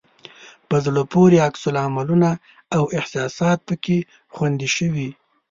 په زړه پورې عکس العملونه او احساسات پکې خوندي شوي.